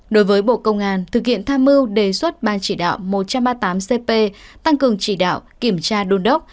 đối với bộ công an thực hiện tham mưu đề xuất ban chỉ đạo một trăm ba mươi tám cp tăng cường chỉ đạo kiểm tra đôn đốc